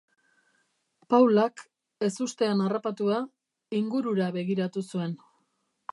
Paulak, ezustean harrapatua, ingurura begiratu zuen.